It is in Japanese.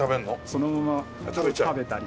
そのまま食べたり。